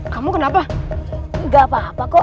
kamu kenapa enggak apa apa kok